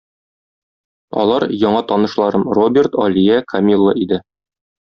Алар - яңа танышларым Роберт, Алия, Камилла иде.